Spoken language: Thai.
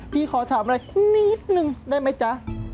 พี่ขอถามอะไรนิดหนึ่งได้ไหมจ้ะ